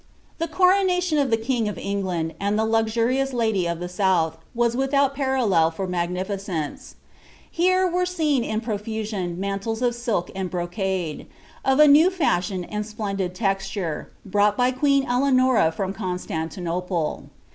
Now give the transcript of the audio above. The coronation of the king of England, and the luxuriotu lady ft the south, was withoat parallel for mBgnificence. Hen were teat in profusion mantles of silk and brocade, of a new fashion and splegKUd texture, brought by queen Eleanora* from Constantinople.